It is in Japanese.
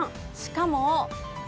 しかも。